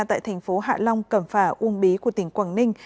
tại thành phố hạ long cẩm phả uông bí của tỉnh quảng ninh